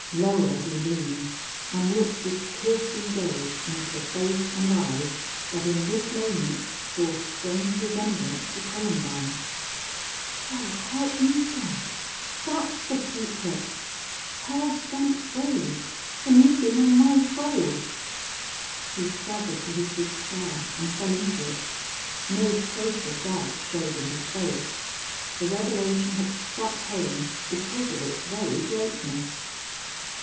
Lower he leaned, and looked with piercing gaze into the face and eyes that in this moment bore strange resemblance to Columbine. "So help me Gawd!... That's the secret?... Hell Bent Wade! An' you've been on my trail!" He staggered to his big chair and fell into it. No trace of doubt showed in his face. The revelation had struck home because of its very greatness.